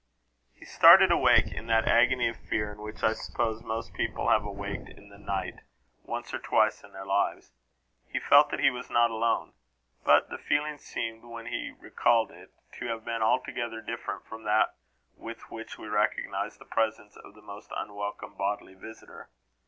He started awake in that agony of fear in which I suppose most people have awaked in the night, once or twice in their lives. He felt that he was not alone. But the feeling seemed, when he recalled it, to have been altogether different from that with which we recognise the presence of the most unwelcome bodily visitor.